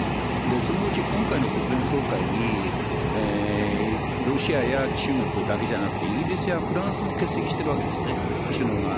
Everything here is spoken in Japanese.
そのうち今回の国連総会にロシアや中国だけじゃなく、イギリスやフランスも欠席してるわけですね、首脳が。